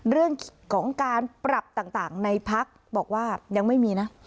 เรื่องของการปรับต่างในพักบอกว่ายังไม่มีนะ